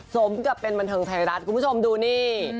สมกับเป็นบันเทิงไทยรัฐคุณผู้ชมดูนี่